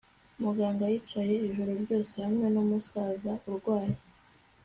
Muganga yicaye ijoro ryose hamwe numusaza urwaye